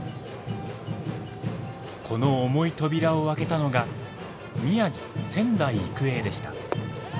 この重い扉を開けたのが宮城・仙台育英でした。